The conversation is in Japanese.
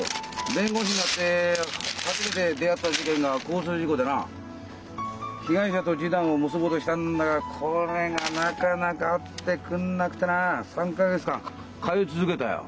弁護士になって初めて出会った事件が交通事故でな被害者と示談を結ぼうとしたんだがこれがなかなか会ってくんなくてな３か月間通い続けたよ。